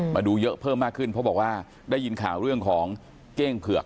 มาดูเยอะเพิ่มมากขึ้นเพราะบอกว่าได้ยินข่าวเรื่องของเก้งเผือก